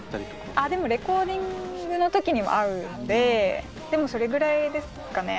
ああでもレコーディングの時にも会うのででもそれぐらいですかね。